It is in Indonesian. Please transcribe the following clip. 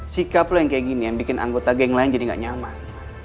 sikaplah yang kayak gini yang bikin anggota geng lain jadi gak nyaman